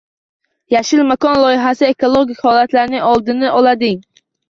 “Yashil makon” loyihasi ekologik halokatlarning oldini olading